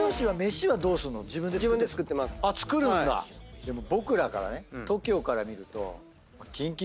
でも僕らからねＴＯＫＩＯから見ると。